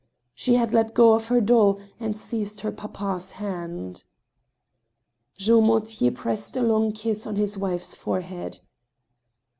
She had let go of her doll and seized her papa's hand. Jean Mortier pressed a long kiss on his wife's forehead.